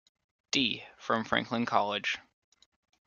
D. from Franklin College.